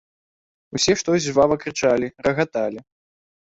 Усе штось жвава крычалі, рагаталі.